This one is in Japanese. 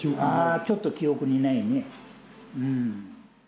ちょっと記憶にないね。